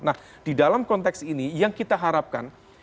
nah di dalam konteks ini yang kita harapkan